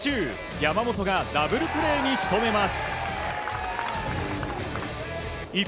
山本がダブルプレーに仕留めます。